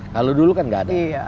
kalau dulu kan nggak ada